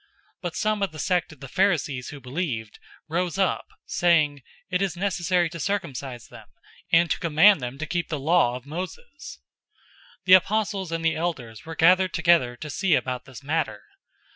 015:005 But some of the sect of the Pharisees who believed rose up, saying, "It is necessary to circumcise them, and to charge them to keep the law of Moses." 015:006 The apostles and the elders were gathered together to see about this matter.